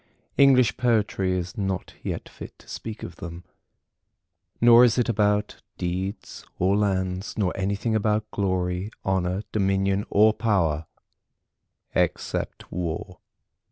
English Poetry is not yet fit to speak of them. Nor is it about deeds or lands, nor anything about glory, honour, dominion or power, except War.